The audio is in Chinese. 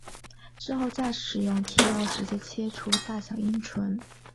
之后再使用剃刀直接切除大小阴唇。